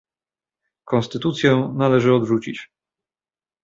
Konstytucję należy odrzucić